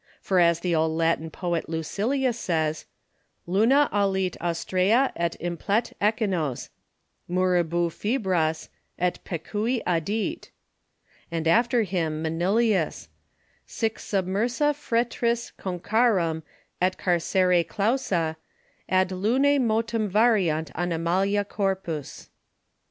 For as the old Latin Poet Lucilius says, _Luna alit Ostrea & implet Echinos, Muribu' fibras Et Pecui addit _ And after him Manilius _Sic submersa fretris concharum & Carcere clausa, Ad Lunæ motum variant animalia corpus.